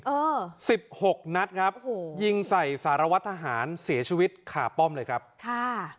เออสิบหกนัดครับโอ้โหยิงใส่สารวัตรทหารเสียชีวิตขาป้อมเลยครับค่ะ